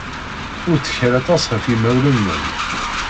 Ur ttkal aṭas ɣef yimawlan-nnem.